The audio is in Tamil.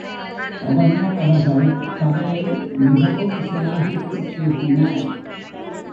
கவர்னர் அவர்கள் சபையை மிகவும் சிலாகித்துப் பேசினார்.